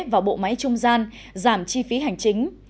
vào bộ máy trung gian giảm chi phí hành chính